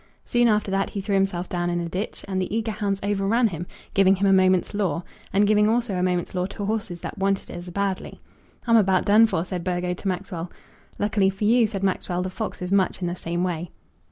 Soon after that he threw himself down in a ditch, and the eager hounds overran him, giving him a moment's law, and giving also a moment's law to horses that wanted it as badly. "I'm about done for," said Burgo to Maxwell. "Luckily for you," said Maxwell, "the fox is much in the same way."